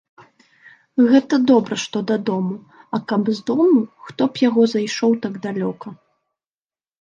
Гэта добра, што дадому, а каб з дому хто б яго зайшоў так далёка.